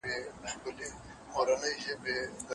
زه لکه نغمه درسره ورک سمه